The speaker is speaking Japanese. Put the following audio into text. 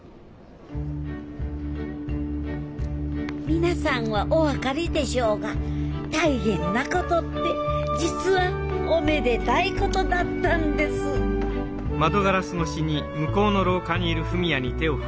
皆さんはお分かりでしょうが大変なことって実はおめでたいことだったんですうん？